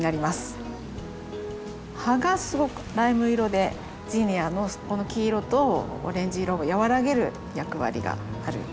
葉がすごくライム色でジニアの黄色とオレンジ色を和らげる役割がある。